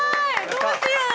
どうしよう！